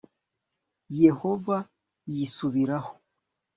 yehova yisubiraho